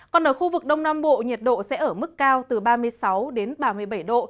còn ở khu vực đông nam bộ nhiệt độ sẽ ở mức cao từ ba mươi sáu đến ba mươi bảy độ